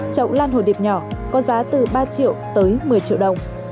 chậu lan hồ điệp nhỏ có giá từ ba triệu tới một mươi triệu đồng